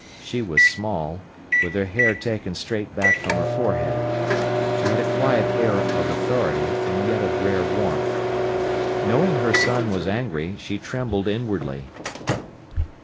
She was small, with her hair taken straight back from her forehead. She had a quiet air of authority, and yet of rare warmth. Knowing her son was angry, she trembled inwardly.